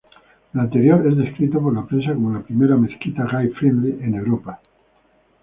El anterior es descrito por la prensa como la primera mezquita gay-friendly en Europa.